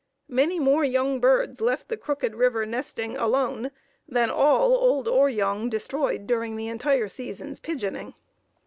Many more young birds left the Crooked River nesting alone, than all, old or young, destroyed during the entire season's pigeoning.